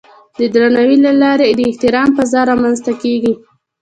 د درناوي له لارې د احترام فضا رامنځته کېږي.